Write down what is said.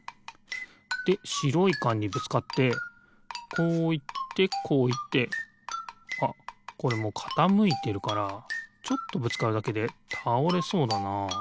でしろいかんにぶつかってこういってこういってあっこれもうかたむいてるからちょっとぶつかるだけでたおれそうだな。